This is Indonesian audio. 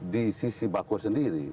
di sisi bakau sendiri